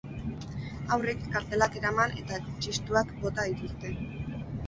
Haurrek kartelak eraman eta txistuak bota dituzte.